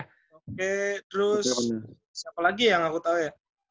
coke terus siapa lagi yang aku tau ya